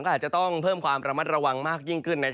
ก็อาจจะต้องเพิ่มความระมัดระวังมากยิ่งขึ้น